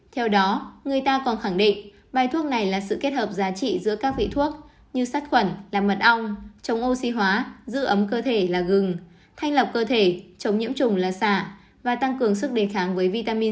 theo đó người ta còn khẳng định bài thuốc này là sự kết hợp giá trị giữa các vị thuốc như sát khuẩn làm mật ong chống oxy hóa giữ ấm cơ thể là gừng thanh lọc cơ thể chống nhiễm trùng là xả và tăng cường sức đề kháng với vitamini